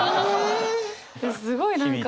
すごい何か。